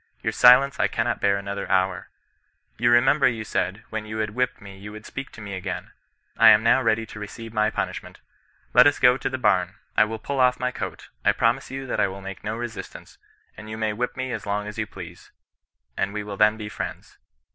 Your silence I cannot bear anoiiier hour. You remember you said, when you had whipped me you would speak to me again; I am now ready to receive your punishment. Let us go to the baxn; I will pull off my coat — I promise you that CHRISTIAN NON RESISTANCE. 101 I wiU make no resistance, and you may whip me as long as you please ; and we will then be friends.